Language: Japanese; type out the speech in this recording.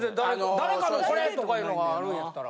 誰かのこれ！とかいうのがあるんやったら。